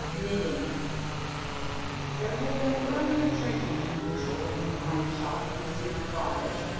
Knitting There had been earlier drinking than usual in the wine shop of Monsieur Defarge.